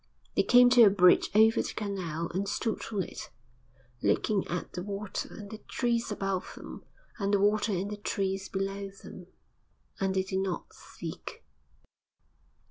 They came to a bridge over the canal and stood on it, looking at the water and the trees above them, and the water and the trees below them and they did not speak.